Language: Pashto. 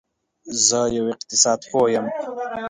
زه یو اقتصاد پوه یم